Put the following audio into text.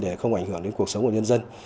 để không ảnh hưởng đến cuộc sống của nhân dân